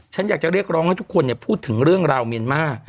ฉันอยากจะเรียกร้องให้ทุกคนพูดถึงเรื่องราวเมียนมาร์